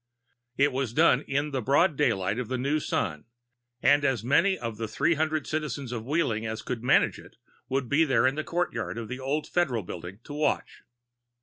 It was done in the broad daylight of the new Sun, and as many of the three hundred citizens of Wheeling as could manage it were in the courtyard of the old Federal Building to watch.